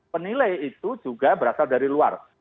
penilai itu juga berasal dari luar